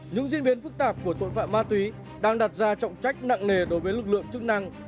những diễn biến phức tạp của tội phạm ma túy đang đặt ra trọng trách nặng nề đối với lực lượng chức năng